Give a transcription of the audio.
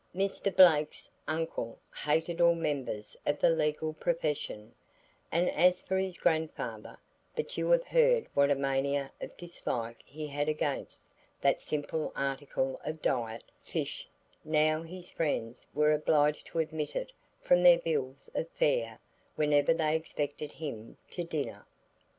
Mr. Blake's uncle hated all members of the legal profession, and as for his grandfather but you have heard what a mania of dislike he had against that simple article of diet, fish; how his friends were obliged to omit it from their bills of fare whenever they expected him to dinner.